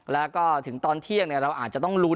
แล้วก็ถึงตอนเที่ยงเราอาจจะต้องลุ้น